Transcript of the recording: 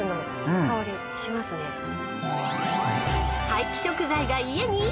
［廃棄食材が家に？